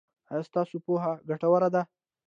ایا ستاسو پوهه ګټوره ده؟